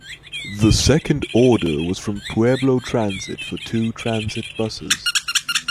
The second order was from Pueblo Transit for two transit buses.